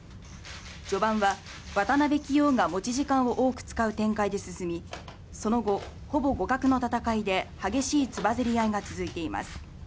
序盤は、渡辺棋王が持ち時間を多く使う展開で進み、その後、ほぼ互角の戦いで激しいつばぜり合いが続いています。